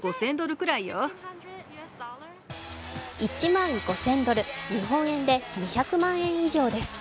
１万５０００ドル、日本円で２００万円以上です。